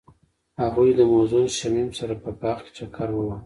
هغوی د موزون شمیم سره په باغ کې چکر وواهه.